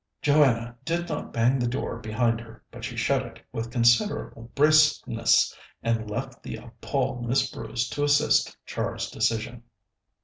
Joanna did not bang the door behind her, but she shut it with considerable briskness, and left the appalled Miss Bruce to assist Char's decision.